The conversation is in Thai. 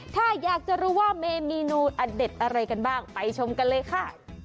ถ้าอยากจะรู้ว่าเมนูอเด็ดอะไรกันบ้างไปชมกันเลยค่ะ